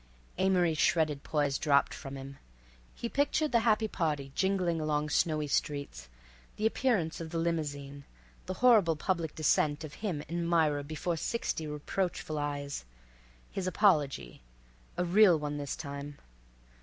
Amory's shredded poise dropped from him. He pictured the happy party jingling along snowy streets, the appearance of the limousine, the horrible public descent of him and Myra before sixty reproachful eyes, his apology—a real one this time.